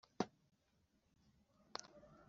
Bategetswe kwimuka.